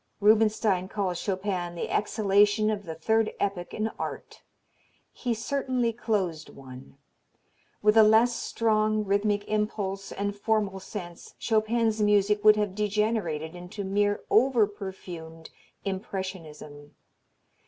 Rubinstein calls Chopin the exhalation of the third epoch in art. He certainly closed one. With a less strong rhythmic impulse and formal sense Chopin's music would have degenerated into mere overperfumed impressionism.